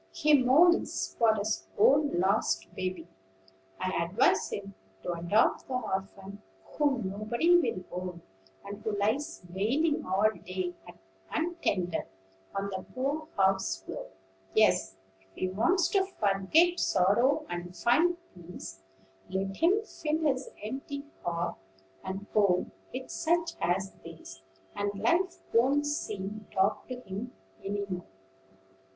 He mourns for his own lost baby: I advise him to adopt the orphan whom nobody will own, and who lies wailing all day untended on the poor house floor. Yes: if he wants to forget sorrow and find peace, let him fill his empty heart and home with such as these, and life won't seem dark to him any more."